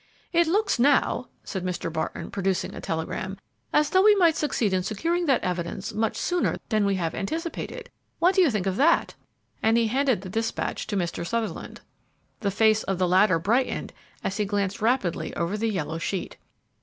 "It looks now," said Mr. Barton, producing a telegram, "as though we might succeed in securing that evidence much sooner than we have anticipated. What do you think of that?" and he handed the despatch to Mr. Sutherland. The face of the latter brightened as he glanced rapidly over the yellow sheet.